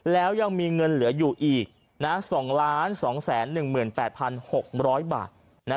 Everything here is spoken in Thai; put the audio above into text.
แล้วยังมีเงินเหลืออยู่อีก๒๒๑๘๖๐๐บาท